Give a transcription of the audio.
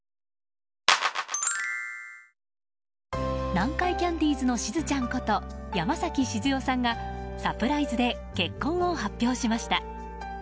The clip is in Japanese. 南海キャンディーズのしずちゃんこと山崎静代さんがサプライズで結婚を発表しました。